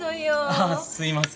ああすいません。